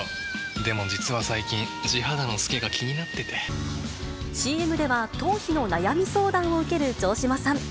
でも、実は最近、ＣＭでは、頭皮の悩み相談を受ける城島さん。